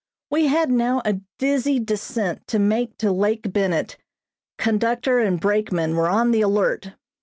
] We had now a dizzy descent to make to Lake Bennett. Conductor and brakeman were on the alert.